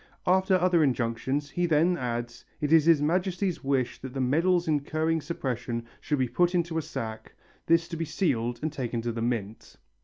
After other injunctions, he then adds: "It is His Majesty's wish that the medals incurring suppression should be put into a sack, this to be sealed and taken to the mint...."